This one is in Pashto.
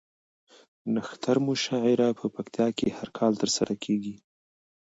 نښتر مشاعره په پکتيا کې هر کال ترسره کیږي